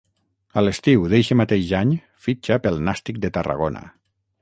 A l'estiu d'eixe mateix any fitxa pel Nàstic de Tarragona.